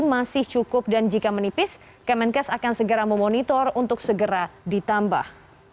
masih cukup dan jika menipis kemenkes akan segera memonitor untuk segera ditambah